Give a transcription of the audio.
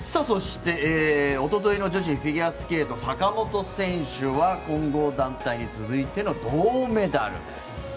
そして、おとといの女子フィギュアスケート坂本選手は混合団体に続いての銅メダル。